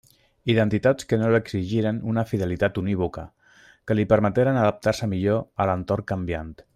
Identitats que no li exigiren una fidelitat unívoca, que li permeteren adaptar-se millor a l'entorn canviant.